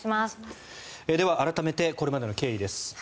では改めてこれまでの経緯です。